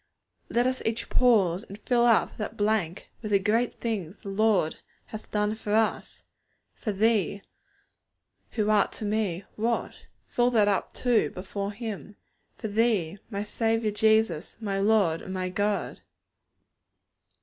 _ Let us each pause, and fill up that blank with the great things the Lord hath done for us. For Thee, who art to me what? Fill that up too, before Him! For Thee, my Saviour Jesus, my Lord and my God!